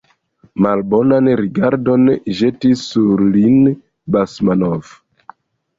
Malbonan rigardon ĵetis sur lin Basmanov.